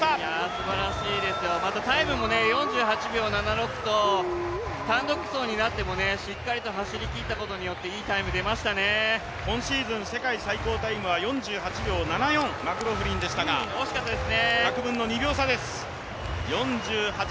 すばらしいレースです、タイムも４８秒７６と、単独走になってもしっかりと走りきったことによって今シーズン世界最高タイムは４８秒７４、マクローフリンでしたが、１００分の２秒差です。